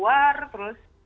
yang tadinya hangout keluar